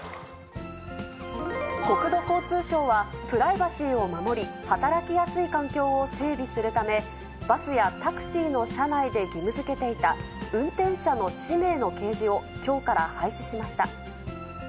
国土交通省は、プライバシーを守り、働きやすい環境を整備するため、バスやタクシーの車内で義務づけていた運転者の氏名の掲示をきょうから廃止しました。